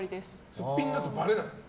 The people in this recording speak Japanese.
すっぴんだとばれない？